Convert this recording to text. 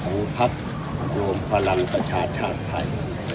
ภักดิ์รวมพลังประชาชาติไทย